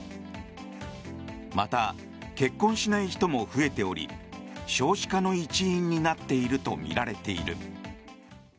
また、結婚しない人も増えており少子化の一因になっているとみられている。